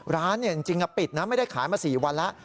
ร้านจริงปิดนะไม่ได้ขายมา๔วันแล้ว